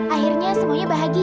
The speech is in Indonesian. akhirnya semuanya bahagia